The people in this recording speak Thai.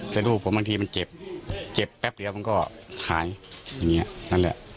แต่ลูกผมบางทีมันเจ็บเจ็บแป๊บเดียวมันก็หายอย่างนี้นั่นแหละ